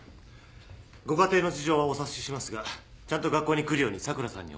ご家庭の事情はお察ししますがちゃんと学校に来るように桜さんにお伝えください。